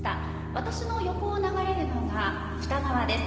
私の横を流れるのが布田川です。